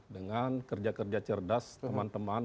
dengan kerja kerja cerdas teman teman